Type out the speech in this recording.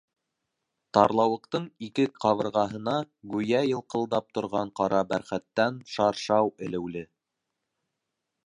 Тарлауыҡтың ике ҡабырғаһына гүйә йылҡылдап торған ҡара бәрхәттән шаршау элеүле.